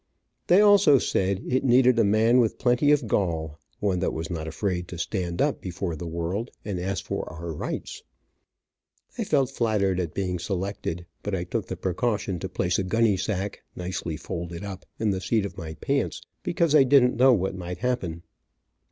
They also said, it needed a man with plenty of gall, one that was not afraid to stand up be fore the world and ask for our rights. I felt flattered at being selected, but I took the precaution to place a gunny sack, nicely folded up, in the seat of my pants, because I didn't know what might happen.